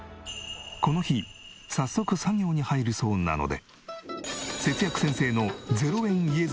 この日早速作業に入るそうなので節約先生の０円家作りを拝見。